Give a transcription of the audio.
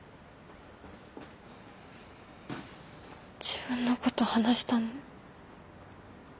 自分のこと話したの。